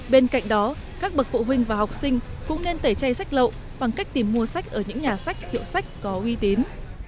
bên cạnh đó các bậc phụ huynh và học sinh cũng nên tẩy chay sách lậu bằng cách tìm mua sách ở những nhà sách hiệu sách có uy tín